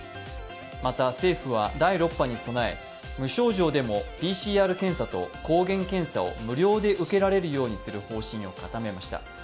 また、政府は第６波に備え、無症状でもＰＣＲ検査と抗原検査を無料で受けられるようにする方針を固めました。